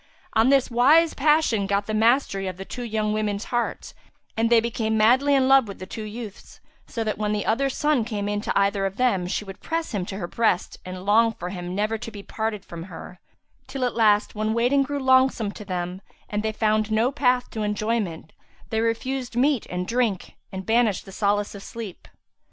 On this wise passion got the mastery of the two women's hearts and they became madly in love with the two youths, so that when the other's son came in to either of them, she would press him to her breast and long for him never to be parted from her; till, at last, when waiting grew longsome to them and they found no path to enjoyment, they refused meat and drink and banished the solace of sleep.